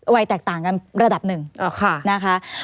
วัยแตกต่างกันระดับหนึ่งนะคะ